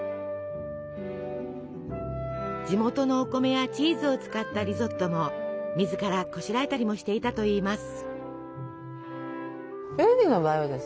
地元のお米やチーズを使ったリゾットも自らこしらえたりもしていたといいます。